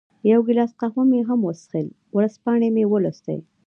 یو ګیلاس قهوه مې هم وڅېښل، ورځپاڼې مې ولوستې.